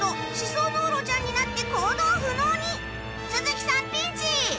都築さんピンチ！